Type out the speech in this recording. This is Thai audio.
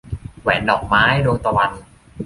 แหวนดอกไม้ - ดวงตะวัน